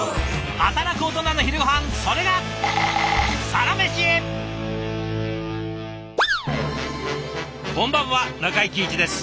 働くオトナの昼ごはんそれがこんばんは中井貴一です。